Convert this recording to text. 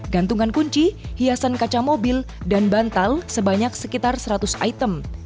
gantungan kunci hiasan kaca mobil dan bantal sebanyak sekitar seratus item